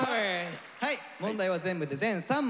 はい問題は全部で全３問。